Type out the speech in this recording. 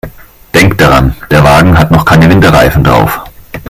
Denk daran, der Wagen hat noch keine Winterreifen drauf.